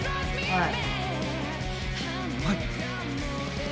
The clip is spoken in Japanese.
はい？